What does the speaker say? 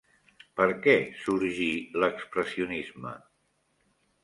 Per què sorgí l'expressionisme?